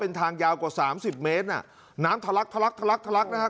เป็นทางยาวกว่าสามสิบเมตรน่ะน้ำทะลักทะลักทะลักทะลักนะครับ